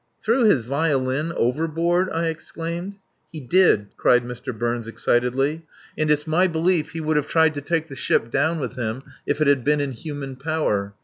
"Threw his violin overboard!" I exclaimed. "He did," cried Mr. Burns excitedly. "And it's my belief he would have tried to take the ship down with him if it had been in human power.